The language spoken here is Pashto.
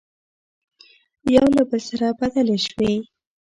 يو له بل سره بدلې شوې،